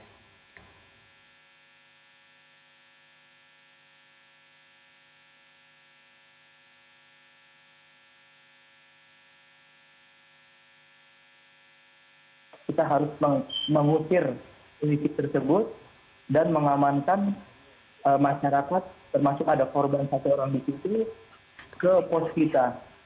jadi kita harus mengusir politik tersebut dan mengamankan masyarakat termasuk ada korban satu orang di situ ke pos kita